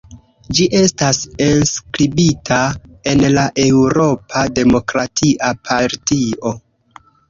Ĝi estas enskribita en la Eŭropa Demokratia Partio.